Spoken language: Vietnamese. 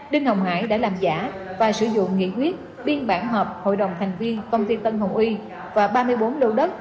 đinh hồng hải đã làm giả và sử dụng nghị quyết biên bản họp hội đồng thành viên công ty tân hồng uy và ba mươi bốn lô đất